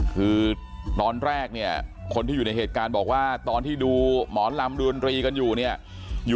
คือตอนแรกเนี่ยคนที่อยู่ในเหตุการณ์บอกว่าตอนที่ดูหมอลำดูดนตรีกันอยู่เนี่ย